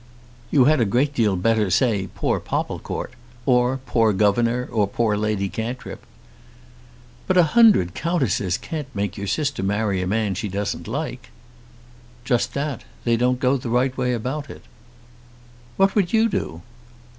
"You had a great deal better say poor Popplecourt! or poor governor, or poor Lady Cantrip." "But a hundred countesses can't make your sister marry a man she doesn't like." "Just that. They don't go the right way about it." "What would you do?"